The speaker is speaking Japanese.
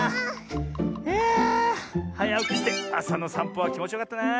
いやはやおきしてあさのさんぽはきもちよかったな。